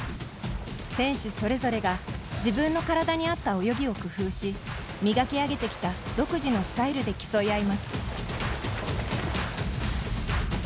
選手それぞれが自分の体にあった泳ぎを工夫し磨き上げてきた独自のスタイルで競い合います。